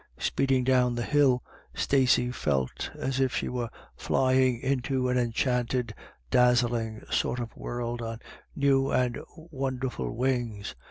Speed ing down the hill, Stacey felt as if she were flying ) THUNDER IN THE AIR, 203 into an enchanted, dazzling sort of world on new and wonderful wings.